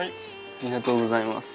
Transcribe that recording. ありがとうございます。